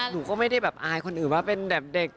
หนูก็ไม่ได้แบบอายคนอื่นว่าเป็นแบบเด็ก